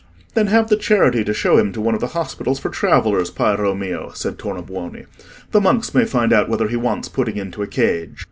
"Then have the charity to show him to one of the hospitals for travellers, Piero mio," said Tornabuoni. "The monks may find out whether he wants putting into a cage."